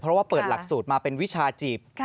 เพราะว่าเปิดหลักสูตรมาเป็นวิชาจีบ